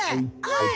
はい。